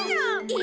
え！